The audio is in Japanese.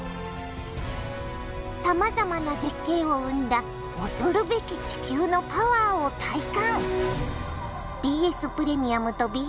さまざまな絶景を生んだ恐るべき地球のパワーを体感！